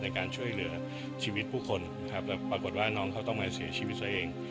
ในการช่วยเหลือชีวิตผู้คนครับแล้วปรากฏว่าน้องเขาต้องมาเสียชีวิตซะเอง